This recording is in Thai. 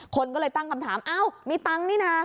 คนก็เลยตั้งคำถามอ้าวมีตังค์นี่นะ